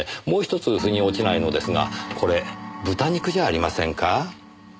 もう１つ腑に落ちないのですがこれ豚肉じゃありませんか？